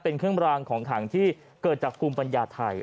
เป็นเครื่องรางของขังที่เกิดจากภูมิปัญญาไทย